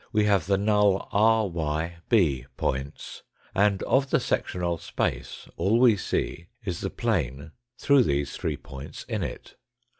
125) we have the null r, y, b points, and of the sectional space all we see is the plane through these three points in it.